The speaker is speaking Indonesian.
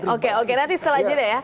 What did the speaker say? oke oke nanti setelah itu deh ya